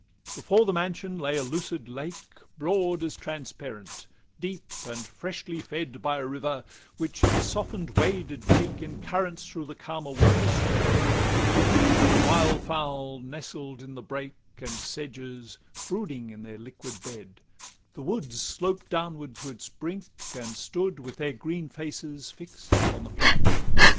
LVII Before the mansion lay a lucid lake, Broad as transparent, deep, and freshly fed By a river, which its soften'd way did take In currents through the calmer water spread Around: the wildfowl nestled in the brake And sedges, brooding in their liquid bed: The woods sloped downwards to its brink, and stood With their green faces fix'd upon the flood.